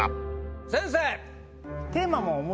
先生。